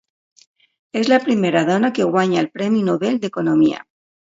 És la primera dona que guanya el premi Nobel d'Economia.